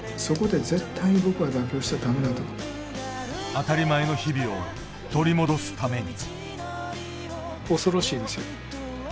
当たり前の日々を取り戻すために。